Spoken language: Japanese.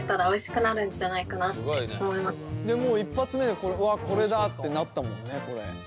でもう一発目で「うわっこれだ」ってなったもんね。